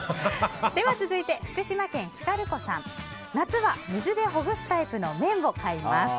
続いて、福島県の方。夏は水でほぐすタイプの麺を買います。